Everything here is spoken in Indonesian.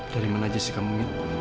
dari mana aja sih kamu nek